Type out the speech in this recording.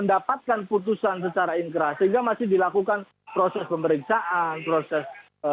dan mereka mereka yang hari ini dipindahkan ini yang masih belum mengalami penyelidikan terorisme